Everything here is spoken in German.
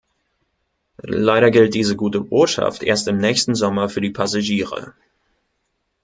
Leider gilt diese gute Botschaft erst im nächsten Sommer für die Passagiere.